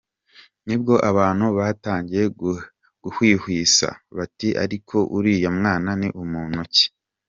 Nibwo abantu batangiye guhwihwisa, bati: “ariko uriya mwana ni muntu ki ?.